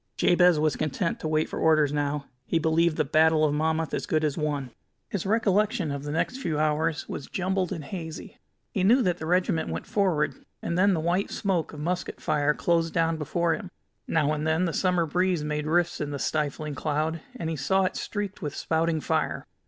Jabez was content to wait for orders now. He believed the Battle of Monmouth as good as won. His recollection of the next few hours was jumbled and hazy. He knew that the regiment went forward, and then the white smoke of musket fire closed down before him. Now and then the summer breeze made rifts in this stifling cloud, and he saw it streaked with spouting fire.